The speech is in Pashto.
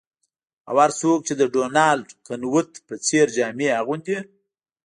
او هر څوک چې د ډونالډ کنوت په څیر جامې اغوندي